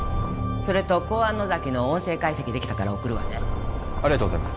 それと公安・野崎の音声解析できたから送るわねありがとうございます